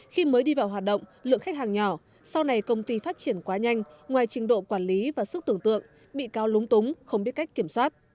khi mới đi vào hoạt động lượng khách hàng nhỏ sau này công ty phát triển quá nhanh ngoài trình độ quản lý và sức tưởng tượng bị cáo lúng túng không biết cách kiểm soát